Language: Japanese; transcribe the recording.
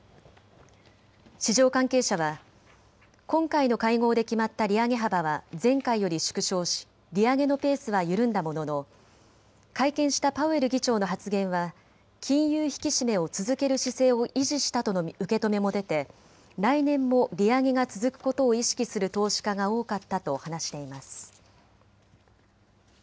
市場関係者は今回の会合で決まった利上げ幅は前回より縮小し利上げのペースは緩んだものの会見したパウエル議長の発言は金融引き締めを続ける姿勢を維持したとの受け止めも出て来年も利上げが続くことを意識する投資家が多かったと話しています。